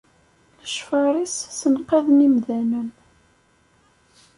Lecfar-is ssenqaden imdanen.